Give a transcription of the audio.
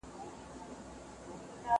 د تاریخي اثارو د ساتنې په اړه پوهاوی نه و.